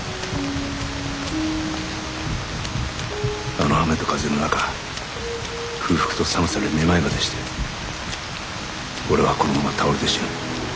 あの雨と風の中空腹と寒さでめまいまでして俺はこのまま倒れて死ぬ。